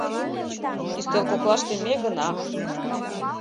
Ӱстел коклаште ме гына.